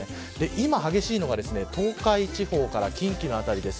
今、激しいのが東海地方から近畿の辺りです。